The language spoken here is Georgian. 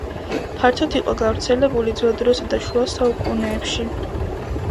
ფართოდ იყო გავრცელებული ძველ დროსა და შუა საუკუნეებში.